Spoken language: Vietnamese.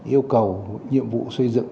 yêu cầu nhiệm vụ xây dựng